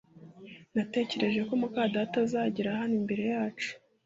Natekereje ko muka data azagera hano imbere yacu